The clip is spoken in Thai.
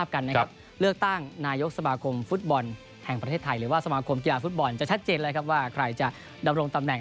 ก็คือพลตรวจเอกสมยดพุ่มพันธ์ม่วง